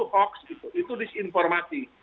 hoax itu disinformasi